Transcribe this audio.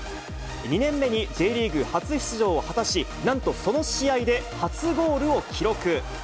２年目にＪリーグ初出場を果たし、なんとその試合で、初ゴールを記録。